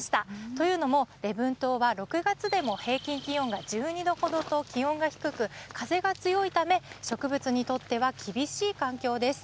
というのも、礼文島は６月でも平均気温が１２度ほどと気温が低く、風が強いため、植物にとっては厳しい環境です。